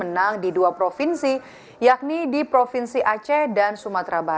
kepala universitas revenus themothing dan polyarpid syarikat inclusif beragam